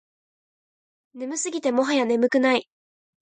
眠すぎてもはや眠くない